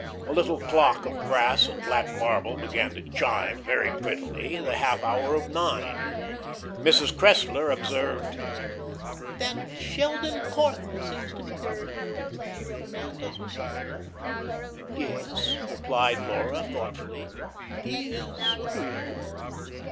A little clock of brass and black marble began to chime, very prettily, the half hour of nine. Mrs. Cressler observed: "That Sheldon Corthell seems to be a very agreeable kind of a young man, doesn't he?" "Yes," replied Laura thoughtfully, "he is agreeable."